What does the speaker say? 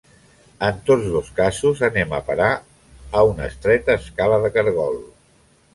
En tots dos casos anem a parar a una estreta escala de caragol.